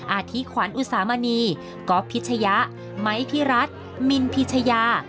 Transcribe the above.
อาทิขวัญอุสามณีก๊อฟพิชยะไม้พิรัตมินพิชยา